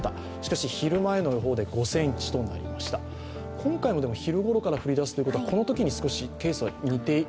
今回も昼ごろから降りだすということはこのときに少しケースは似て？